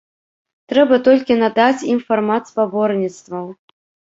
Трэба толькі надаць ім фармат спаборніцтваў.